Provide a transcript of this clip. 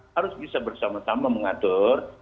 harus bisa bersama sama mengatur